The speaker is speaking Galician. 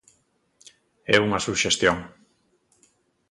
É unha suxestión.